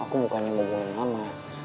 aku bukannya mau buangin nama